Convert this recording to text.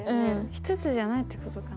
１つじゃないってことかな？